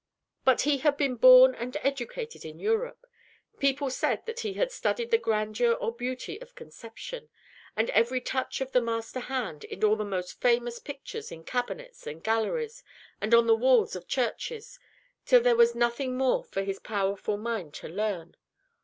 But he had been born and educated in Europe. People said that he had studied the grandeur or beauty of conception, and every touch of the master hand, in all the most famous pictures, in cabinets and galleries, and on the walls of churches, till there was nothing more for his powerful mind to learn.